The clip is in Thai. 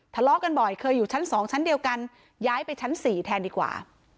ทะเลาะกันบ่อยเคยอยู่ชั้น๒ชั้นเดียวกันย้ายไปชั้น๔แทนดีกว่า